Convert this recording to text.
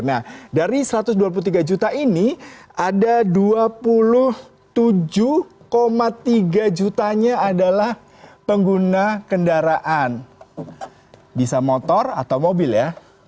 nah dari satu ratus dua puluh tiga juta ini ada dua puluh tujuh tiga jutanya adalah pengguna kendaraan bisa motor atau mobil ya